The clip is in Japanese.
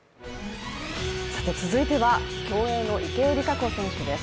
続いては競泳の池江璃花子選手です。